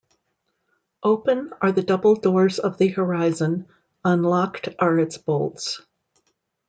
Open are the double doors of the horizon; unlocked are its bolts.